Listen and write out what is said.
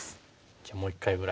じゃあもう一回ぐらい。